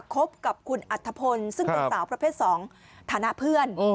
คบกับคุณอัธพลซึ่งเป็นสาวประเภท๒ฐานะเพื่อน